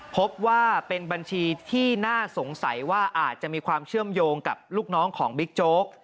พบว่าเป็นบัญชีที่น่าสงสัยว่าอาจจะมีความเชื่อมโยงกับลูกน้องของบิ๊กโจ๊ก